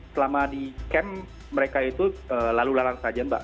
selama di camp mereka itu lalu lalang saja mbak